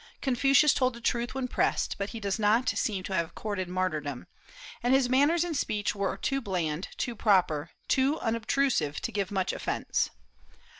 Confucius told the truth when pressed, but he does not seem to have courted martyrdom; and his manners and speech were too bland, too proper, too unobtrusive to give much offence.